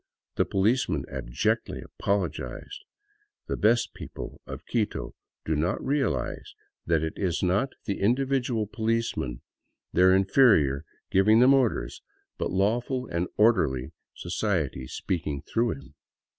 The policeman abjectly apologized. The "best people " of Quito do not realize that it is not the individual police man, their '' inferior," giving them orders, but lawful and orderly so ciety speaking through him.